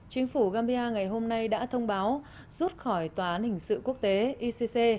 chính phủ gambia ngày hôm nay đã thông báo rút khỏi tòa án hình sự quốc tế icc